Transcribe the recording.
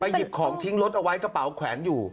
หยิบของทิ้งรถเอาไว้กระเป๋าแขวนอยู่